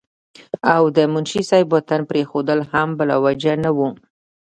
او د منشي صېب وطن پريښودل هم بلاوجه نه وو